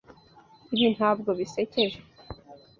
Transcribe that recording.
Ibi ntabwo bisekeje.